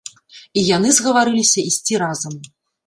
І яны згаварыліся ісці разам.